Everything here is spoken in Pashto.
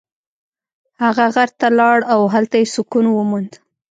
هغه غره ته لاړ او هلته یې سکون وموند.